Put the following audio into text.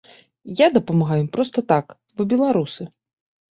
Я дапамагаю ім проста так, бо беларусы.